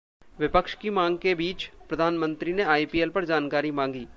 विपक्ष की मांग के बीच प्रधानमंत्री ने आईपीएल पर जानकारी मांगी